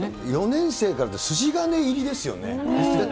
４年生からって、筋金入りですよね。ですよね。